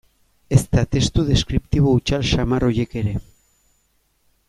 Ezta testu deskriptibo hutsal samar horiek ere.